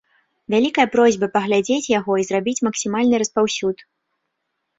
Вялікая просьба паглядзець яго і зрабіць максімальны распаўсюд.